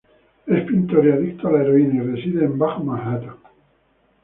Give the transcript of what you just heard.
Es pintor y adicto a la heroína, y reside en Bajo Manhattan.